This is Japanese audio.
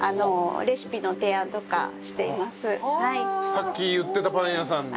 さっき言ってたパン屋さんで？